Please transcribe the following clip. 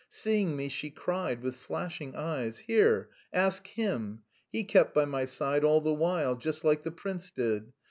Seeing me, she cried, with flashing eyes: "Here, ask him. He kept by my side all the while, just like the prince did.